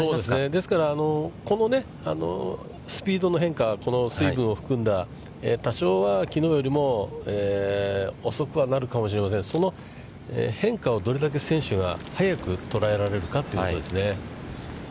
ですから、このスピードの変化、この水分を含んだ、多少、きのうよりも遅くはなるかもしれませんが、その変化をどれだけ選手が早く捉えられるかということですね。